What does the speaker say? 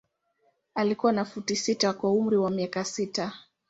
Alikuwa na futi sita kwa umri wa miaka sita.